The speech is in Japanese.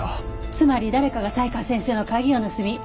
つまり誰かが才川先生の鍵を盗み